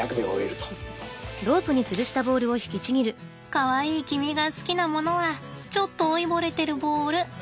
かわいい君が好きなものはちょっと老いぼれてるボールってわけなのね。